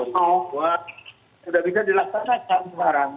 sudah bisa dilaksanakan transparan